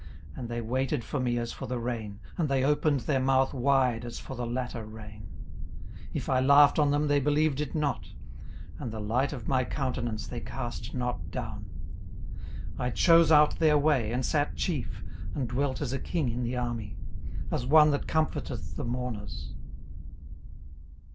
18:029:023 And they waited for me as for the rain; and they opened their mouth wide as for the latter rain. 18:029:024 If I laughed on them, they believed it not; and the light of my countenance they cast not down. 18:029:025 I chose out their way, and sat chief, and dwelt as a king in the army, as one that comforteth the mourners.